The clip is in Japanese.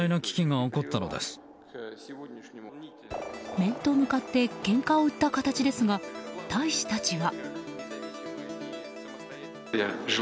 面と向かってけんかを売った形ですが大使たちは。